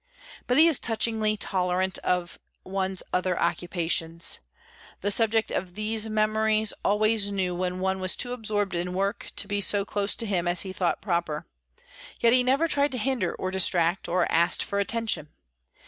But he is touchingly tolerant of one's other occupations. The subject of these memories always knew when one was too absorbed in work to be so close to him as he thought proper; yet he never tried to hinder or distract, or asked for attention.